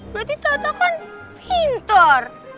berarti tata kan pintar